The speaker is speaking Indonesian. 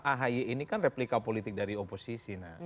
ahy ini kan replika politik dari oposisi